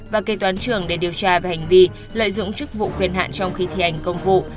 và kế toán trưởng để điều tra về hành vi lợi dụng chức vụ quyền hạn trong khi thi hành công vụ